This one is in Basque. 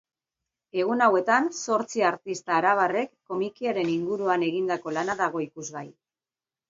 Egun hauetan zortzi artista arabarrek komikiaren iunguruan egindako lana dago ikusgai.